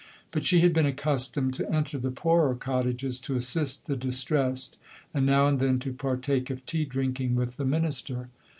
But she had been accustomed to enter the poorer cottages, to assist the distressed, and now and then to partake of tea drinking with the minister.